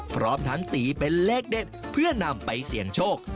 พร้อมทั้งตีเป็นเลขเด็ดเพื่อนำไปเสี่ยงโชค